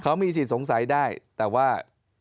เขามีสิทธิ์สงสัยได้แต่ว่า